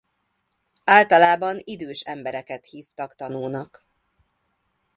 Általában idős embereket hívtak tanúnak.